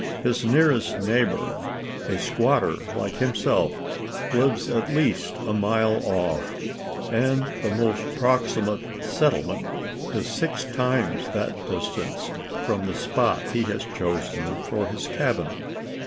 His nearest neighbour a squatter like himself lives at least a mile off; and the most proximate "settlement" is six times that distance from the spot he has chosen for his cabin.